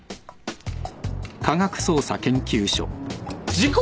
事故！？